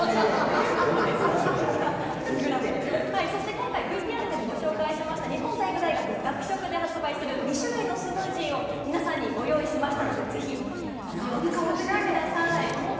今回ＶＴＲでもご紹介しました日本体育大学学食で発売する２種類のスムージーを皆さんにご用意しました、ぜひ味を確かめてください。